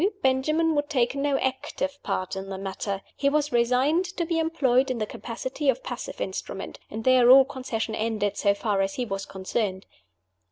Benjamin would take no active part in the matter. He was resigned to be employed in the capacity of passive instrument and there all concession ended, so far as he was concerned.